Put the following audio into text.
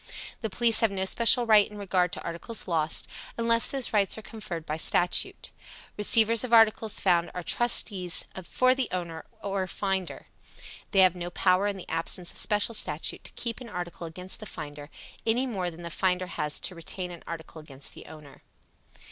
The police have no special rights in regard to articles lost, unless those rights are conferred by statute. Receivers of articles found are trustees for the owner or finder. They have no power in the absence of special statute to keep an article against the finder, any more than the finder has to retain an article against the owner.